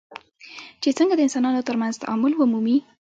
چې څنګه د انسانانو ترمنځ تعامل ومومي.